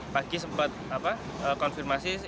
pagi sempat konfirmasi